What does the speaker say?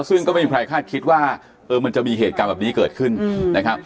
ซึ่งก็ไม่มีใครคาดคิดว่ามันจะมีเหตุการณ์แบบนี้เกิดขึ้นนะครับ